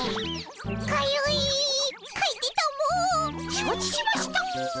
承知しました。